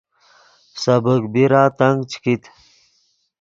سبیک بیرا تنگ چے کیت